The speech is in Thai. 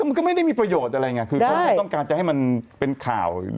มันก็ไม่ได้มีประโยชน์อะไรไงคือเขาไม่ต้องการจะให้มันเป็นข่าว